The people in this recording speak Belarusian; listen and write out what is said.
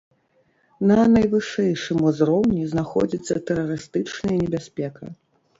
На найвышэйшым узроўні знаходзіцца тэрарыстычная небяспека.